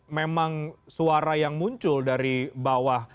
memang suara yang muncul dari bawah